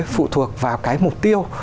phụ thuộc vào cái mục tiêu